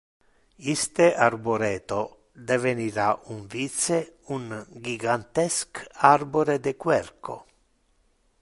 Iste arboretto devenira un vice un gigantesc arbore de querco.